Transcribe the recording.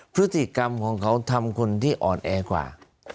พฤติกรรมของเขาทำคนที่อ่อนแอกว่า